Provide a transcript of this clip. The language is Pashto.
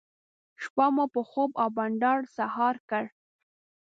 شپه مو په خوب او بانډار سهار کړه.